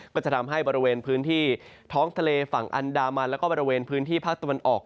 ก็จะทำให้บริเวณพื้นที่ท้องทะเลฝั่งอันดามันแล้วก็บริเวณพื้นที่ภาคตะวันออก